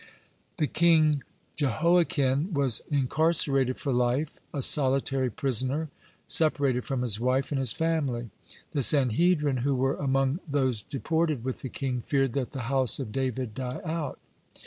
(133) The king Jehoiachin was incarcerated for life, a solitary prisoner, separated from his wife and his family. The Sanhedrin, who were among those deported with the king, feared that the house of David die out.